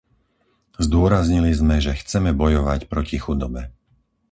Zdôraznili sme, že chceme bojovať proti chudobe.